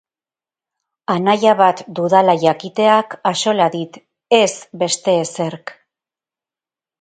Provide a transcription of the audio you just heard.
Anaia bat dudala jakiteak axola dit, ez beste ezerk.